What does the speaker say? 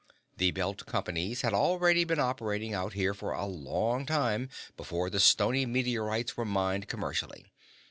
The Belt Companies had already been operating out here for a long time before the stony meteorites were mined commercially.